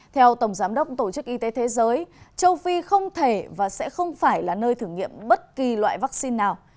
theo tổng giám đốc tổ chức y tế thế giới châu phi không thể và sẽ không phải là nơi thử nghiệm bất kỳ loại vaccine nào